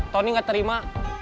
tony gak terima